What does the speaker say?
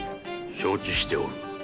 承知しておる。